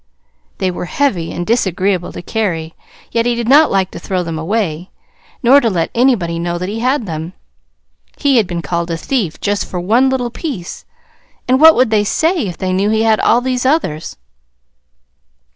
They were heavy, and disagreeable to carry; yet he did not like to throw them away, nor to let anybody know that he had them: he had been called a thief just for one little piece, and what would they say if they knew he had all those others?